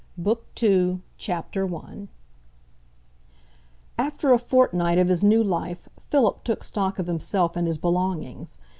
BOOK II CHAPTER I After a fortnight of his new life, Philip took stock of himself and his belongings.